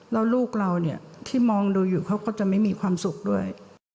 แล้วลูกเราเนี่ยที่มองดูอยู่เขาก็จะไม่มีความสุขด้วย